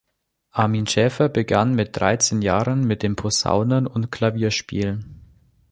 Armin Schaefer begann mit dreizehn Jahren mit dem Posaunen- und Klavierspiel.